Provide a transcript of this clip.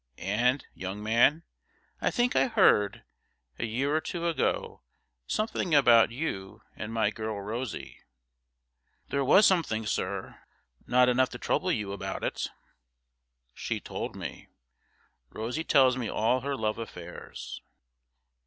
And, young man, I think I heard, a year or two ago, something about you and my girl Rosie.' 'There was something, sir. Not enough to trouble you about it.' 'She told me. Rosie tells me all her love affairs.'